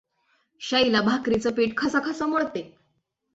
शैला भाकरीचे पीठ खसाखसा मळते.